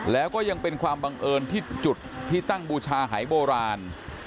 แล้วก็ยังเป็นความบังเอิญที่จุดที่ตั้งบูชาหายโบราณ